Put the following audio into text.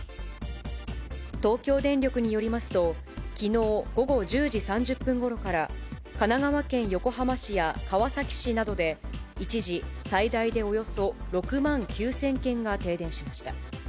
東京電力によりますと、きのう午後１０時３０分ごろから、神奈川県横浜市や川崎市などで、一時最大でおよそ６万９０００軒が停電しました。